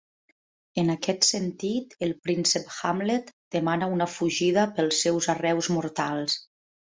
En aquest sentit, el príncep Hamlet demana una fugida pels seus arreus mortals.